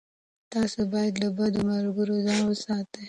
تاسو باید له بدو ملګرو ځان وساتئ.